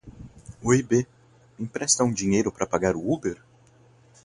Oi bê, me empresta um dinheiro pra pagar o Uber?